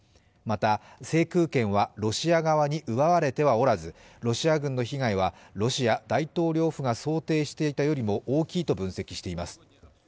また制空権はロシア側に奪われてはおらず、ロシア軍の被害はロシア大統領府が想定していたよりも大きいと分析しています。